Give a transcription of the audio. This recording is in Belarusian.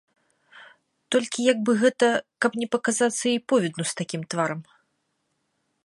Толькі як бы гэта, каб не паказацца ёй повідну з такім тварам?